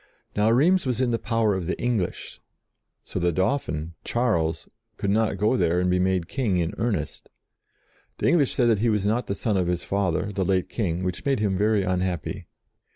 Now, Rheims was in the power of the English, so the Dauphin, Charles, could not go there and be made King in earnest. The English said that he was not the son of his father, the late King, which made him very unhappy.